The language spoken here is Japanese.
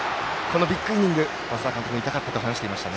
ビッグイニング、稙田監督も痛かったと話していました。